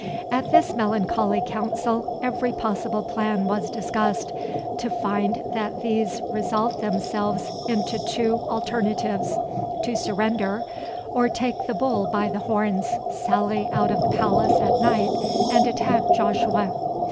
At this melancholy council every possible plan was discussed, to find that these resolved themselves into two alternatives—to surrender, or to take the bull by the horns, sally out of the palace at night and attack Joshua.